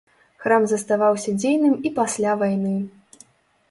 Храм заставаўся дзейным і пасля вайны.